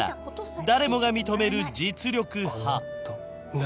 誰もが認める実力派何？